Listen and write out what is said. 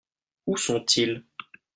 Où sont-ils ?